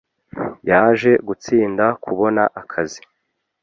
yaje gutsinda kubona akazi.